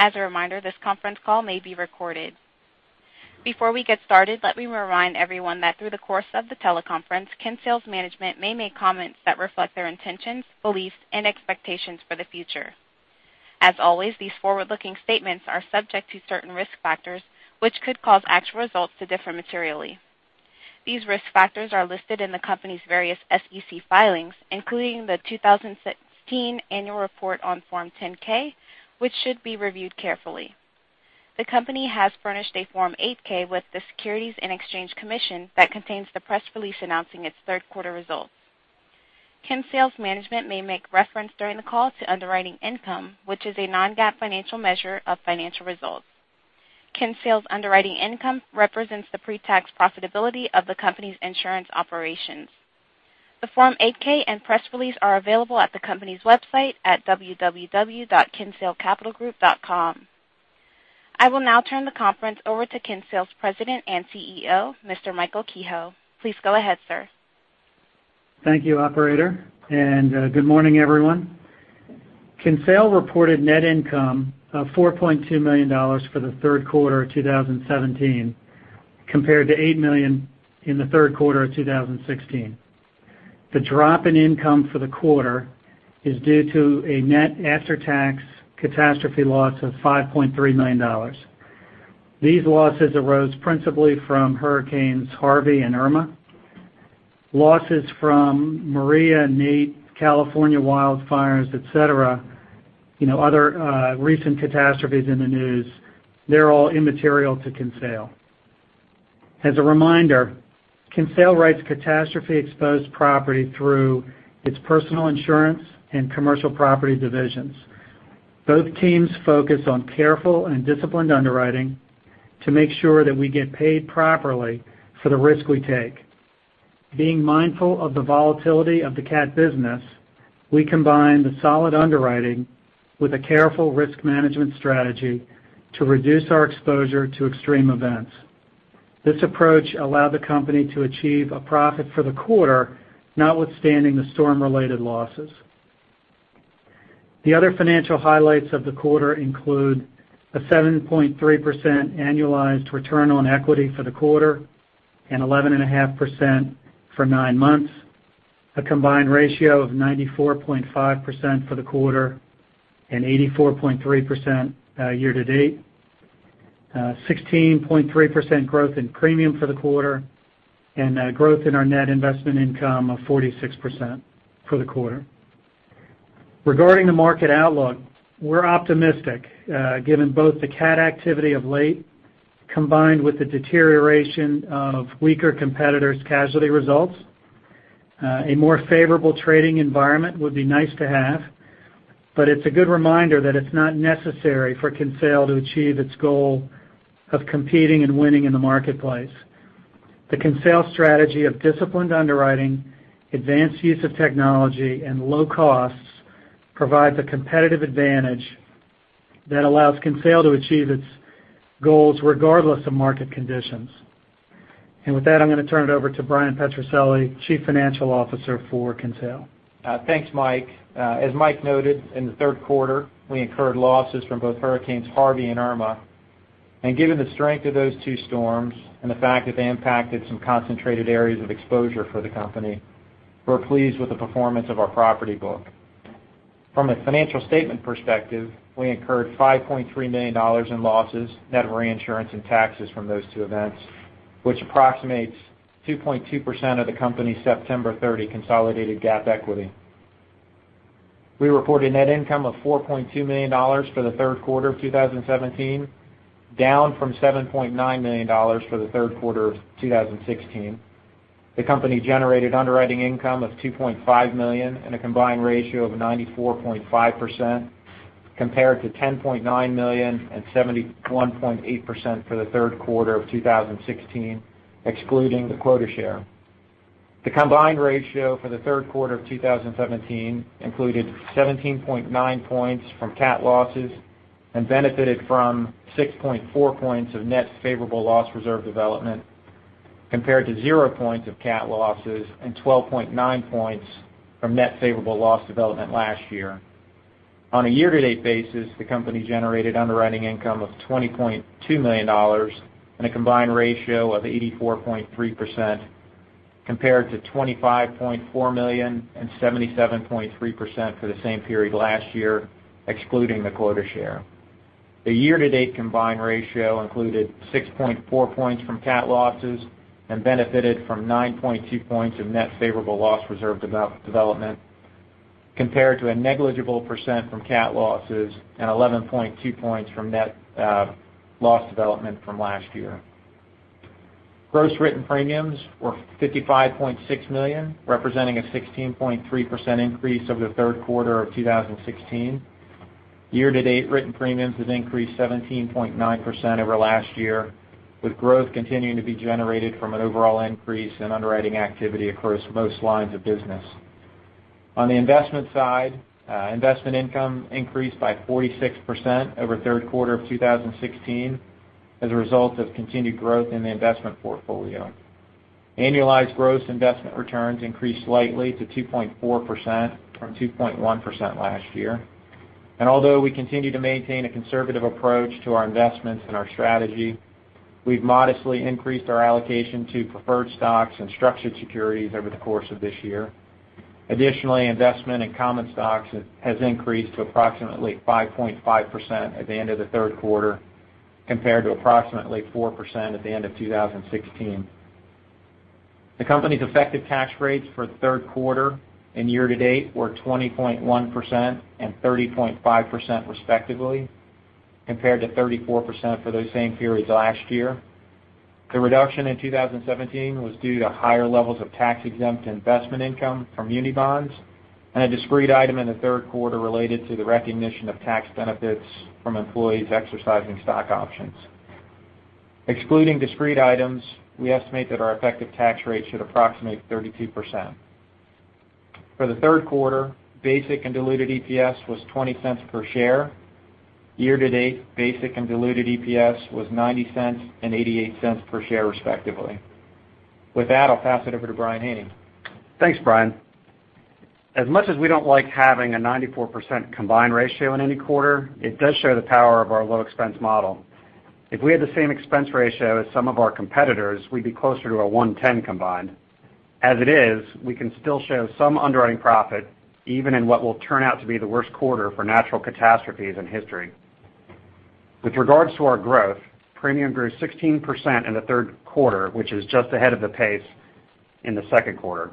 As a reminder, this conference call may be recorded. Before we get started, let me remind everyone that through the course of the teleconference, Kinsale's management may make comments that reflect their intentions, beliefs, and expectations for the future. As always, these forward-looking statements are subject to certain risk factors, which could cause actual results to differ materially. These risk factors are listed in the company's various SEC filings, including the 2016 Annual Report on Form 10-K, which should be reviewed carefully. The company has furnished a Form 8-K with the Securities and Exchange Commission that contains the press release announcing its third quarter results. Kinsale's management may make reference during the call to underwriting income, which is a non-GAAP financial measure of financial results. Kinsale's underwriting income represents the pre-tax profitability of the company's insurance operations. The Form 8-K and press release are available at the company's website at www.kinsalecapitalgroup.com. I will now turn the conference over to Kinsale's President and CEO, Mr. Michael Kehoe. Please go ahead, sir. Thank you, operator, and good morning, everyone. Kinsale reported net income of $4.2 million for the third quarter of 2017, compared to $7.9 Million in the third quarter of 2016. The drop in income for the quarter is due to a net after-tax catastrophe loss of $5.3 million. These losses arose principally from hurricanes Harvey and Irma. Losses from Maria, Nate, California wildfires, et cetera, other recent catastrophes in the news, they're all immaterial to Kinsale. As a reminder, Kinsale writes catastrophe-exposed property through its personal insurance and commercial property divisions. Both teams focus on careful and disciplined underwriting to make sure that we get paid properly for the risk we take. Being mindful of the volatility of the cat business, we combine the solid underwriting with a careful risk management strategy to reduce our exposure to extreme events. This approach allowed the company to achieve a profit for the quarter, notwithstanding the storm-related losses. The other financial highlights of the quarter include a 7.3% annualized return on equity for the quarter and 11.5% for nine months, a combined ratio of 94.5% for the quarter and 84.3% year to date, 16.3% growth in premium for the quarter, and growth in our net investment income of 46% for the quarter. Regarding the market outlook, we are optimistic given both the cat activity of late, combined with the deterioration of weaker competitors' casualty results. A more favorable trading environment would be nice to have, but it's a good reminder that it's not necessary for Kinsale to achieve its goal of competing and winning in the marketplace. The Kinsale strategy of disciplined underwriting, advanced use of technology, and low costs provides a competitive advantage that allows Kinsale to achieve its goals regardless of market conditions. With that, I'm going to turn it over to Bryan Petrucelli, Chief Financial Officer for Kinsale. Thanks, Mike. As Mike noted, in the third quarter, we incurred losses from both Hurricane Harvey and Hurricane Irma. Given the strength of those two storms and the fact that they impacted some concentrated areas of exposure for the company, we're pleased with the performance of our property book. From a financial statement perspective, we incurred $5.3 million in losses, net of reinsurance and taxes from those two events, which approximates 2.2% of the company's September 30 consolidated GAAP equity. We reported net income of $4.2 million for the third quarter of 2017, down from $7.9 million for the third quarter of 2016. The company generated underwriting income of $2.5 million and a combined ratio of 94.5%, compared to $10.9 million and 71.8% for the third quarter of 2016, excluding the quota share. The combined ratio for the third quarter of 2017 included 17.9 points from cat losses and benefited from 6.4 points of net favorable loss reserve development, compared to zero points of cat losses and 12.9 points from net favorable loss development last year. On a year-to-date basis, the company generated underwriting income of $20.2 million and a combined ratio of 84.3%, compared to $25.4 million and 77.3% for the same period last year, excluding the quota share. The year-to-date combined ratio included 6.4 points from cat losses and benefited from 9.2 points of net favorable loss reserve development, compared to a negligible % from cat losses and 11.2 points from net loss development from last year. Gross written premiums were $55.6 million, representing a 16.3% increase over the third quarter of 2016. Year-to-date, written premiums have increased 17.9% over last year, with growth continuing to be generated from an overall increase in underwriting activity across most lines of business. On the investment side, investment income increased by 46% over the third quarter of 2016 as a result of continued growth in the investment portfolio. Annualized gross investment returns increased slightly to 2.4% from 2.1% last year. Although we continue to maintain a conservative approach to our investments and our strategy, we've modestly increased our allocation to preferred stocks and structured securities over the course of this year. Additionally, investment in common stocks has increased to approximately 5.5% at the end of the third quarter, compared to approximately 4% at the end of 2016. The company's effective tax rates for the third quarter and year to date were 20.1% and 30.5%, respectively, compared to 34% for those same periods last year. The reduction in 2017 was due to higher levels of tax-exempt investment income from muni bonds and a discrete item in the third quarter related to the recognition of tax benefits from employees exercising stock options. Excluding discrete items, we estimate that our effective tax rate should approximate 32%. For the third quarter, basic and diluted EPS was $0.20 per share. Year to date, basic and diluted EPS was $0.90 and $0.88 per share, respectively. With that, I'll pass it over to Brian Haney. Thanks, Brian. As much as we don't like having a 94% combined ratio in any quarter, it does show the power of our low expense model. If we had the same expense ratio as some of our competitors, we'd be closer to a 110% combined. As it is, we can still show some underwriting profit even in what will turn out to be the worst quarter for natural catastrophes in history. With regards to our growth, premium grew 16% in the third quarter, which is just ahead of the pace in the second quarter.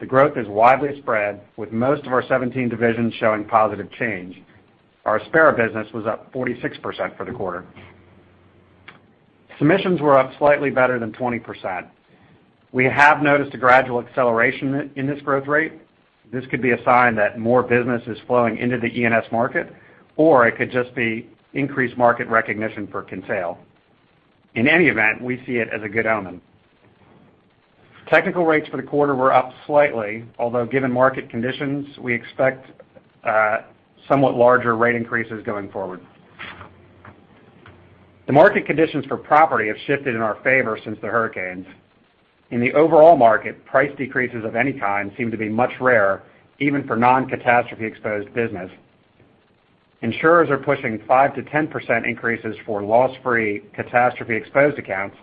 The growth is widely spread, with most of our 17 divisions showing positive change. Our specialty business was up 46% for the quarter. Submissions were up slightly better than 20%. We have noticed a gradual acceleration in this growth rate. This could be a sign that more business is flowing into the E&S market. It could just be increased market recognition for Kinsale. In any event, we see it as a good omen. Technical rates for the quarter were up slightly, although given market conditions, we expect somewhat larger rate increases going forward. The market conditions for property have shifted in our favor since the hurricanes. In the overall market, price decreases of any kind seem to be much rarer, even for non-catastrophe exposed business. Insurers are pushing 5%-10% increases for loss-free catastrophe exposed accounts,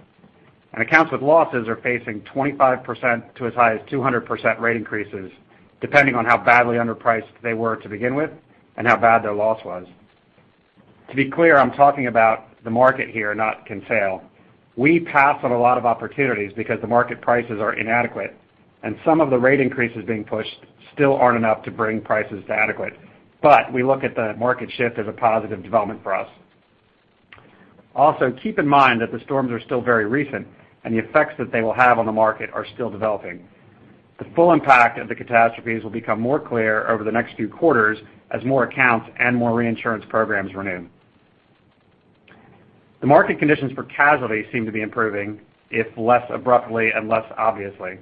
and accounts with losses are facing 25% to as high as 200% rate increases, depending on how badly underpriced they were to begin with and how bad their loss was. To be clear, I'm talking about the market here, not Kinsale. We pass on a lot of opportunities because the market prices are inadequate. Some of the rate increases being pushed still aren't enough to bring prices to adequate. We look at the market shift as a positive development for us. Keep in mind that the storms are still very recent, and the effects that they will have on the market are still developing. The full impact of the catastrophes will become more clear over the next few quarters as more accounts and more reinsurance programs renew. The market conditions for casualty seem to be improving, if less abruptly and less obviously.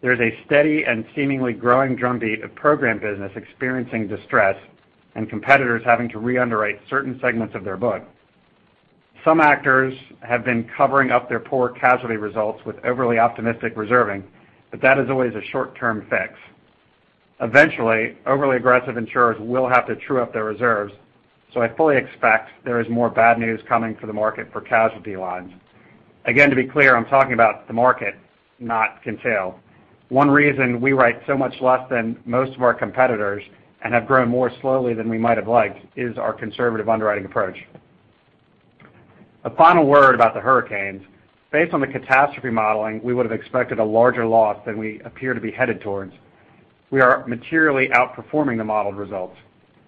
There is a steady and seemingly growing drumbeat of program business experiencing distress and competitors having to re-underwrite certain segments of their book. Some actors have been covering up their poor casualty results with overly optimistic reserving, but that is always a short-term fix. Eventually, overly aggressive insurers will have to true up their reserves, so I fully expect there is more bad news coming for the market for casualty lines. Again, to be clear, I'm talking about the market, not Kinsale. One reason we write so much less than most of our competitors and have grown more slowly than we might have liked is our conservative underwriting approach. A final word about the hurricanes. Based on the catastrophe modeling, we would have expected a larger loss than we appear to be headed towards. We are materially outperforming the modeled results.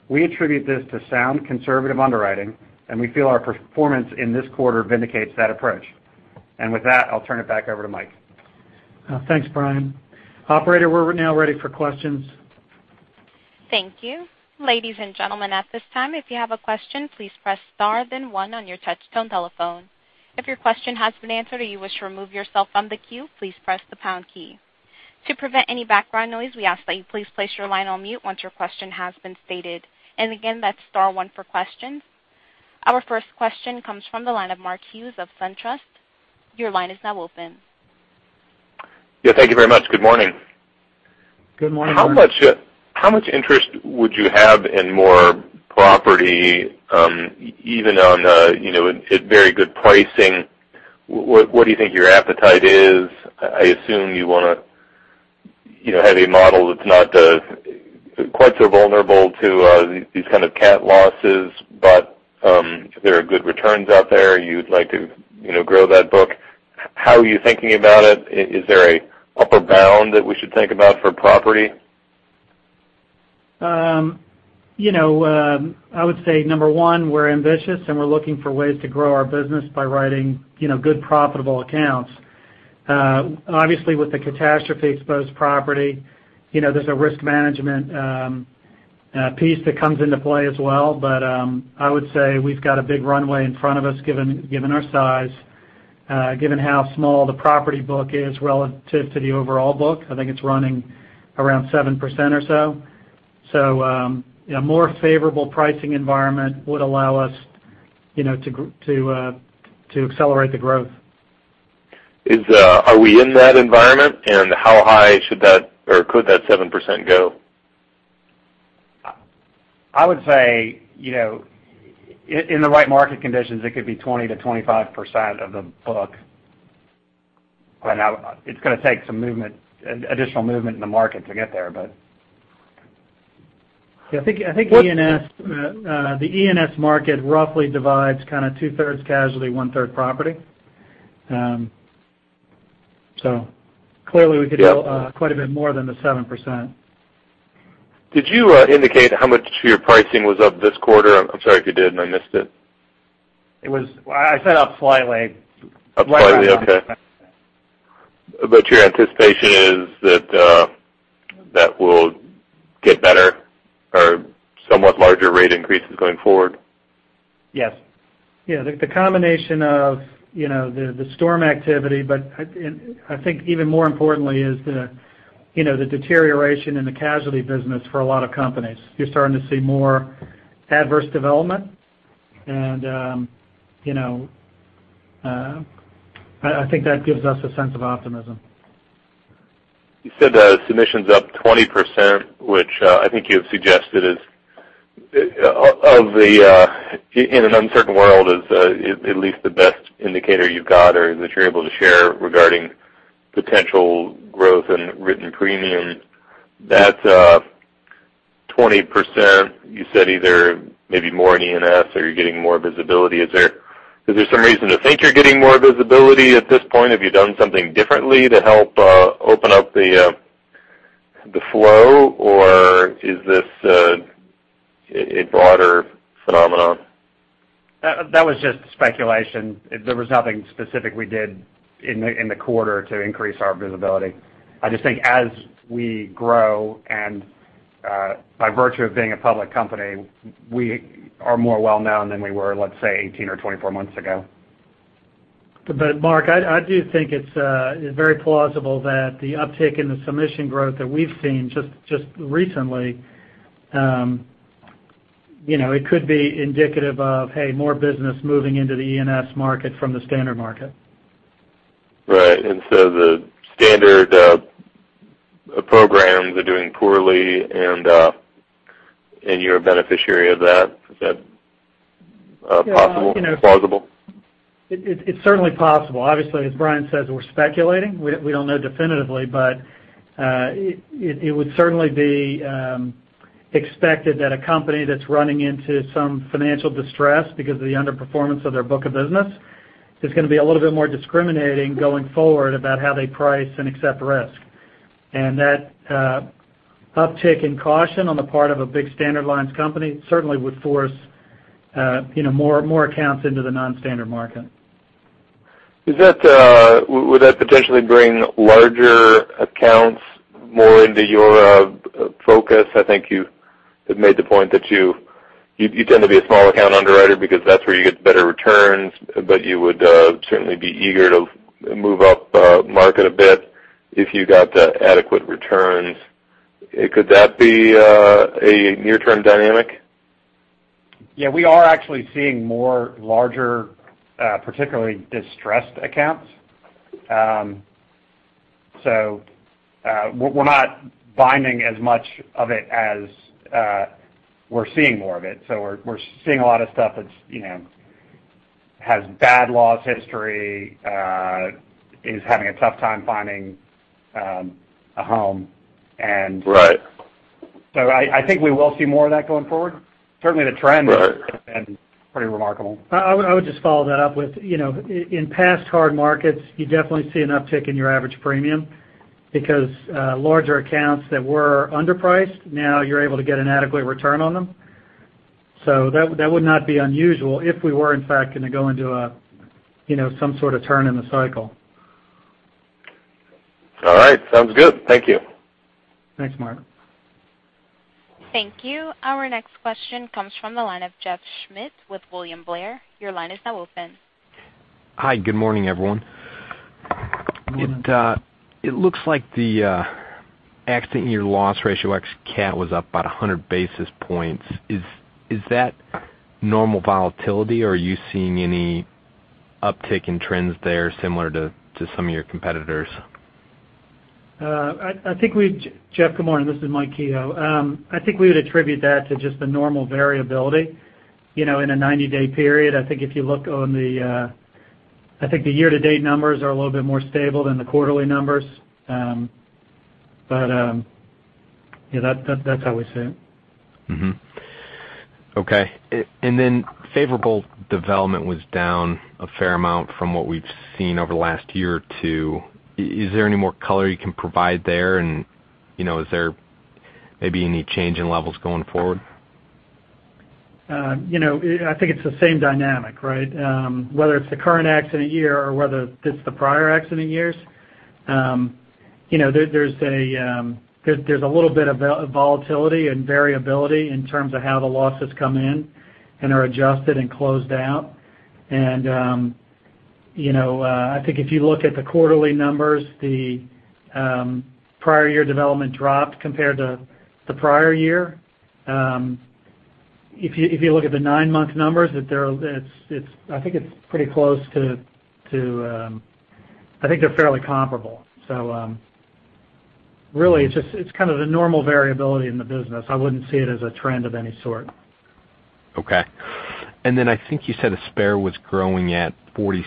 We attribute this to sound conservative underwriting, and we feel our performance in this quarter vindicates that approach. With that, I'll turn it back over to Mike. Thanks, Brian. Operator, we're now ready for questions. Thank you. Ladies and gentlemen, at this time, if you have a question, please press star then one on your touch tone telephone. If your question has been answered or you wish to remove yourself from the queue, please press the pound key. To prevent any background noise, we ask that you please place your line on mute once your question has been stated. Again, that's star one for questions. Our first question comes from the line of Mark Hughes of SunTrust. Your line is now open. Yeah, thank you very much. Good morning. Good morning, Mark. How much interest would you have in more property, even on a very good pricing? What do you think your appetite is? I assume you want to have a model that's not quite so vulnerable to these kind of cat losses, but there are good returns out there. You'd like to grow that book. How are you thinking about it? Is there an upper bound that we should think about for property? I would say, number one, we're ambitious, and we're looking for ways to grow our business by writing good, profitable accounts. Obviously, with the catastrophe exposed property, there's a risk management piece that comes into play as well. I would say we've got a big runway in front of us, given our size, given how small the property book is relative to the overall book. I think it's running around 7% or so. A more favorable pricing environment would allow us To accelerate the growth. Are we in that environment? How high should that or could that 7% go? I would say, in the right market conditions, it could be 20%-25% of the book. Now it's going to take some additional movement in the market to get there. Yeah, I think the E&S market roughly divides two-thirds casualty, one-third property. Clearly we could do quite a bit more than the 7%. Did you indicate how much your pricing was up this quarter? I'm sorry if you did and I missed it. I said up slightly. Up slightly, okay. Your anticipation is that will get better or somewhat larger rate increases going forward? Yes. Yeah, the combination of the storm activity, but I think even more importantly is the deterioration in the casualty business for a lot of companies. You're starting to see more adverse development, I think that gives us a sense of optimism. You said submissions up 20%, which I think you have suggested in an uncertain world is at least the best indicator you've got or that you're able to share regarding potential growth in written premium. That 20%, you said either maybe more in E&S or you're getting more visibility. Is there some reason to think you're getting more visibility at this point? Have you done something differently to help open up the flow or is this a broader phenomenon? That was just speculation. There was nothing specific we did in the quarter to increase our visibility. I just think as we grow and by virtue of being a public company, we are more well-known than we were, let's say, 18 or 24 months ago. Mark, I do think it's very plausible that the uptick in the submission growth that we've seen just recently, it could be indicative of, hey, more business moving into the E&S market from the standard market. Right. The standard programs are doing poorly, and you're a beneficiary of that. Is that plausible? It's certainly possible. Obviously, as Brian says, we're speculating. We don't know definitively, but it would certainly be expected that a company that's running into some financial distress because of the underperformance of their book of business is going to be a little bit more discriminating going forward about how they price and accept risk. That uptick in caution on the part of a big standard lines company certainly would force more accounts into the non-standard market. Would that potentially bring larger accounts more into your focus? I think you had made the point that you tend to be a small account underwriter because that's where you get better returns, but you would certainly be eager to move up market a bit if you got adequate returns. Could that be a near-term dynamic? Yeah, we are actually seeing more larger, particularly distressed accounts. We're not binding as much of it as we're seeing more of it. We're seeing a lot of stuff that has bad loss history, is having a tough time finding a home. Right I think we will see more of that going forward. Certainly the trend has been pretty remarkable. I would just follow that up with, in past hard markets, you definitely see an uptick in your average premium because larger accounts that were underpriced, now you're able to get an adequate return on them. That would not be unusual if we were in fact going to go into some sort of turn in the cycle. All right. Sounds good. Thank you. Thanks, Mark. Thank you. Our next question comes from the line of Jeff Schmitt with William Blair. Your line is now open. Hi, good morning, everyone. It looks like the accident year loss ratio ex cat was up about 100 basis points. Is that normal volatility or are you seeing any uptick in trends there similar to some of your competitors? Jeff, good morning. This is Mike Kehoe. I think we would attribute that to just the normal variability, in a 90-day period. I think the year-to-date numbers are a little bit more stable than the quarterly numbers. That's how we see it. Okay. Favorable development was down a fair amount from what we've seen over the last year or two. Is there any more color you can provide there, and is there maybe any change in levels going forward? I think it's the same dynamic, right? Whether it's the current accident year or whether it's the prior accident years. There's a little bit of volatility and variability in terms of how the losses come in and are adjusted and closed out, and I think if you look at the quarterly numbers, the prior year development dropped compared to the prior year. If you look at the nine-month numbers, I think it's pretty close to I think they're fairly comparable. Really, it's kind of the normal variability in the business. I wouldn't see it as a trend of any sort. Okay. I think you said Aspera was growing at 46%.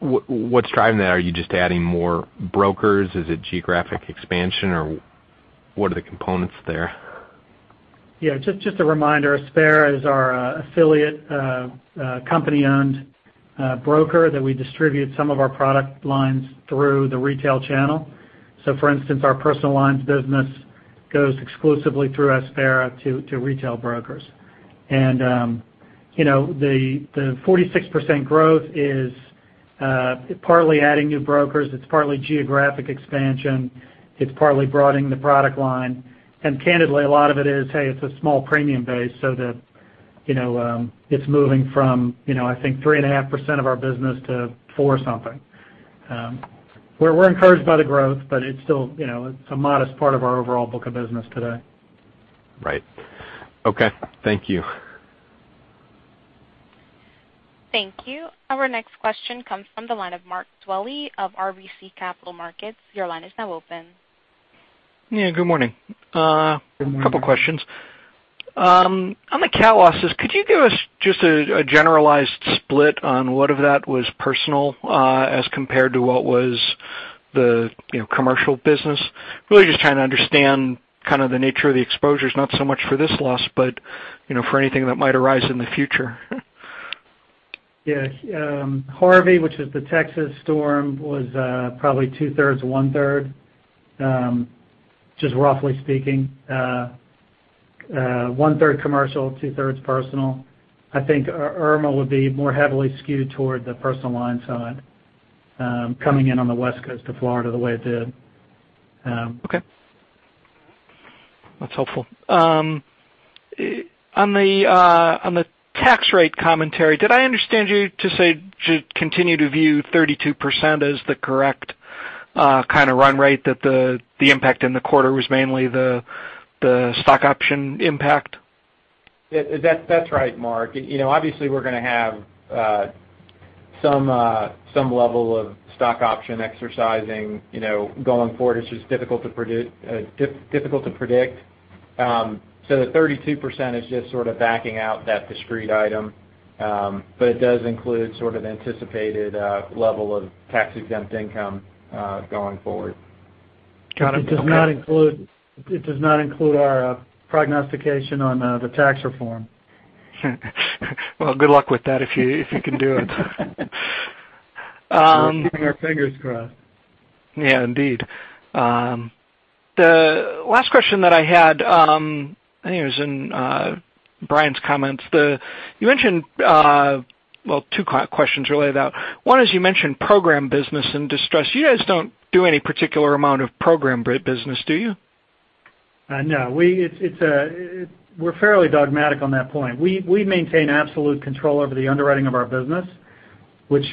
What's driving that? Are you just adding more brokers? Is it geographic expansion, or what are the components there? Yeah, just a reminder, Aspera is our affiliate, company-owned broker that we distribute some of our product lines through the retail channel. For instance, our personal lines business goes exclusively through Aspera to retail brokers. The 46% growth is partly adding new brokers, it's partly geographic expansion, it's partly broadening the product line. Candidly, a lot of it is, hey, it's a small premium base, so it's moving from I think 3.5% of our business to four something. We're encouraged by the growth, but it's a modest part of our overall book of business today. Right. Okay. Thank you. Thank you. Our next question comes from the line of Mark Dwelle of RBC Capital Markets. Your line is now open. Yeah, good morning. Good morning. A couple questions. On the cat losses, could you give us just a generalized split on what of that was personal as compared to what was the commercial business? Really just trying to understand kind of the nature of the exposures, not so much for this loss, but for anything that might arise in the future. Yeah. Harvey, which is the Texas storm, was probably two-thirds, one-third, just roughly speaking. One-third commercial, two-thirds personal. I think Irma would be more heavily skewed toward the personal lines on it, coming in on the West Coast of Florida the way it did. Okay. That's helpful. On the tax rate commentary, did I understand you to say to continue to view 32% as the correct kind of run rate, that the impact in the quarter was mainly the stock option impact? That's right, Mark. Obviously, we're going to have some level of stock option exercising going forward. It's just difficult to predict. The 32% is just sort of backing out that discrete item. It does include sort of anticipated level of tax-exempt income going forward. Got it. Okay. It does not include our prognostication on the tax reform. Well, good luck with that if you can do it. We're keeping our fingers crossed. Yeah, indeed. The last question that I had, I think it was in Brian's comments. Well, two questions really. One is you mentioned program business in distress. You guys don't do any particular amount of program business, do you? No. We're fairly dogmatic on that point. We maintain absolute control over the underwriting of our business, which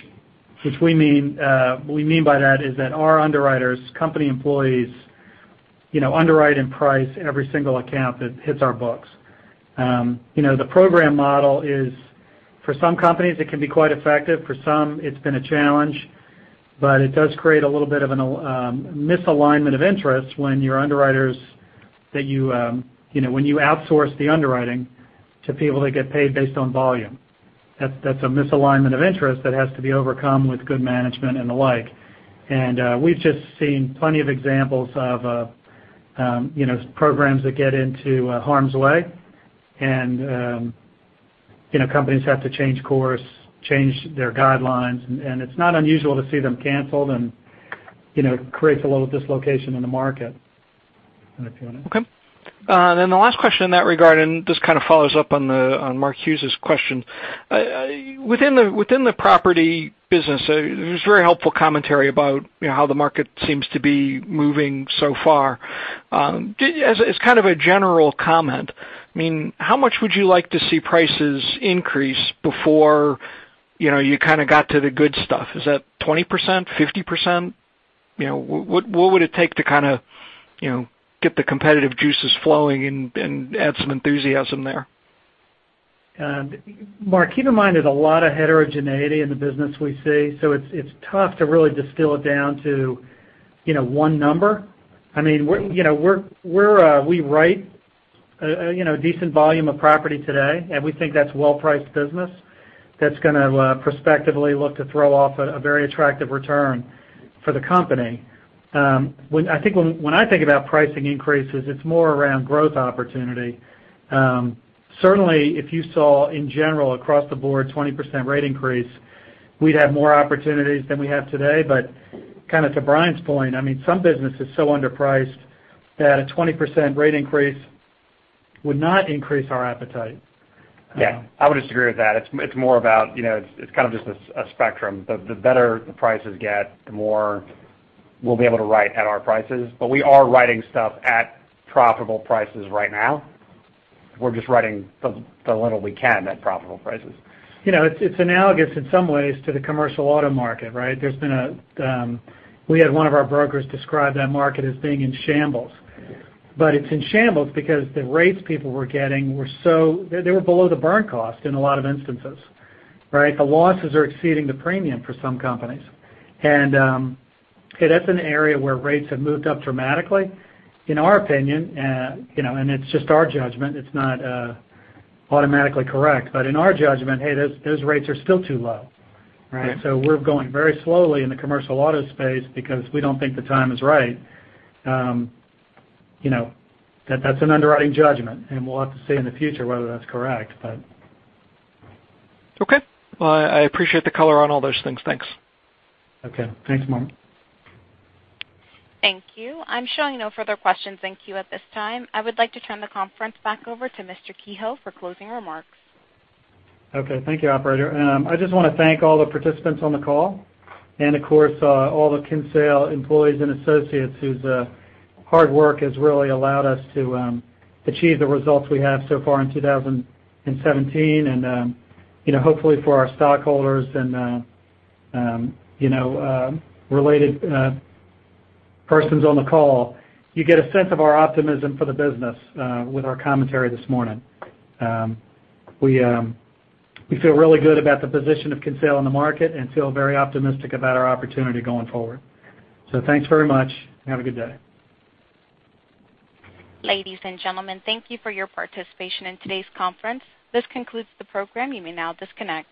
what we mean by that is that our underwriters, company employees, underwrite and price every single account that hits our books. The program model is, for some companies, it can be quite effective. For some, it's been a challenge. It does create a little bit of a misalignment of interest when you outsource the underwriting to people that get paid based on volume. That's a misalignment of interest that has to be overcome with good management and the like. We've just seen plenty of examples of programs that get into harm's way, and companies have to change course, change their guidelines, and it's not unusual to see them canceled, and it creates a little dislocation in the market. Okay. The last question in that regard, and this kind of follows up on Mark Hughes's question. Within the property business, it was very helpful commentary about how the market seems to be moving so far. As kind of a general comment, how much would you like to see prices increase before you kind of got to the good stuff? Is that 20%, 50%? What would it take to kind of get the competitive juices flowing and add some enthusiasm there? Mark, keep in mind, there's a lot of heterogeneity in the business we see. It's tough to really distill it down to one number. We write a decent volume of property today, and we think that's well-priced business that's going to prospectively look to throw off a very attractive return for the company. When I think about pricing increases, it's more around growth opportunity. Certainly, if you saw in general, across the board, 20% rate increase, we'd have more opportunities than we have today. Kind of to Brian's point, some business is so underpriced that a 20% rate increase would not increase our appetite. Yeah, I would just agree with that. It's kind of just a spectrum. The better the prices get, the more we'll be able to write at our prices. We are writing stuff at profitable prices right now. We're just writing the little we can at profitable prices. It's analogous in some ways to the commercial auto market, right? We had one of our brokers describe that market as being in shambles. It's in shambles because the rates people were getting, they were below the burn cost in a lot of instances, right? The losses are exceeding the premium for some companies. That's an area where rates have moved up dramatically. In our opinion, and it's just our judgment, it's not automatically correct, but in our judgment, hey, those rates are still too low, right? We're going very slowly in the commercial auto space because we don't think the time is right. That's an underwriting judgment, and we'll have to see in the future whether that's correct. Okay. Well, I appreciate the color on all those things. Thanks. Okay. Thanks, Mark. Thank you. I'm showing no further questions in queue at this time. I would like to turn the conference back over to Mr. Kehoe for closing remarks. Okay. Thank you, operator. I just want to thank all the participants on the call, and of course, all the Kinsale employees and associates whose hard work has really allowed us to achieve the results we have so far in 2017. Hopefully for our stockholders and related persons on the call, you get a sense of our optimism for the business with our commentary this morning. We feel really good about the position of Kinsale in the market and feel very optimistic about our opportunity going forward. Thanks very much. Have a good day. Ladies and gentlemen, thank you for your participation in today's conference. This concludes the program. You may now disconnect.